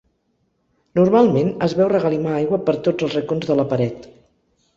Normalment, es veu regalimar aigua per tots els racons de la paret.